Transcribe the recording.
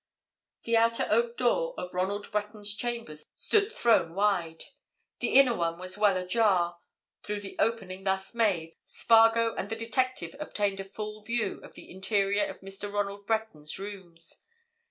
The outer oak door of Ronald Breton's chambers stood thrown wide; the inner one was well ajar; through the opening thus made Spargo and the detective obtained a full view of the interior of Mr. Ronald Breton's rooms.